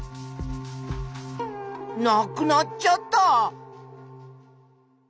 なくなっちゃった！